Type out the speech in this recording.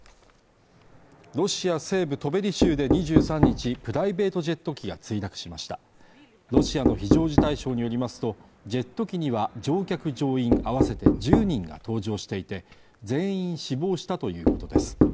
ロシア西部トベリ州で２３日プライベートジェット機が墜落しましたロシアの非常事態省によりますとジェット機には乗客乗員合わせて１０人が搭乗していて全員死亡したということです